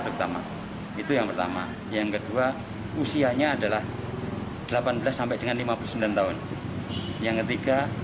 terutama itu yang pertama yang kedua usianya adalah delapan belas sampai dengan lima puluh sembilan tahun yang ketiga